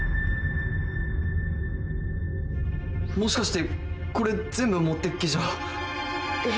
もしかしてこれ全部持ってく気じゃ。え。